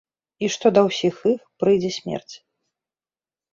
І што да ўсіх іх прыйдзе смерць.